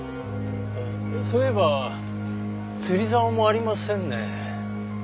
そういえば釣り竿もありませんね。